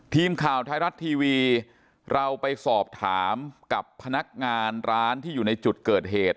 ทีมข่าวไทยรัฐทีวีเราไปสอบถามกับพนักงานร้านที่อยู่ในจุดเกิดเหตุ